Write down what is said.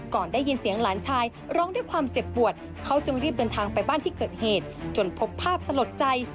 ก่อนได้ยินเสียงหลานชายร้องด้วยความเจ็บปวดเขาจึงรีบเดินทางไปบ้านที่เกิดเหตุจนพบภาพสลดใจ